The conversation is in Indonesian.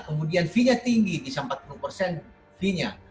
kemudian fee nya tinggi bisa empat puluh persen